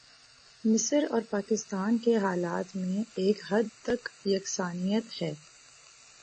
مصر اور پاکستان کے حالات میں ایک حد تک یکسانیت ہے۔